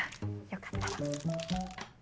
よかったら。